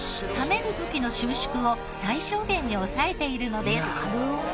冷める時の収縮を最小限に抑えているのです。